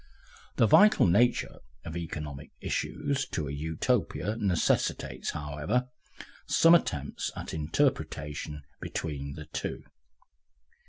The vital nature of economic issues to a Utopia necessitates, however, some attempt at interpretation between the two.